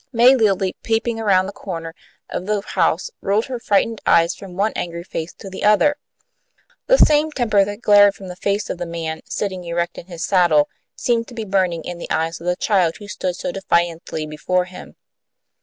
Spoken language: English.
May Lilly, peeping around the corner of the house, rolled her frightened eyes from one angry face to the other. The same temper that glared from the face of the man, sitting erect in his saddle, seemed to be burning in the eyes of the child, who stood so defiantly before him.